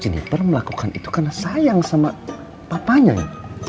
jennifer melakukan itu karena sayang sama papahnya ya